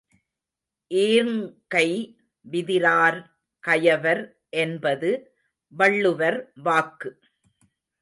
ஈர்ங்கை விதிரார் கயவர் என்பது வள்ளுவர் வாக்கு.